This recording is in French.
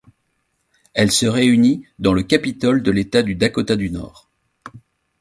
Elle se réunit dans le Capitole de l'État du Dakota du Nord.